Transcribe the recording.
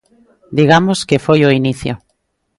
Digamos que foi o inicio.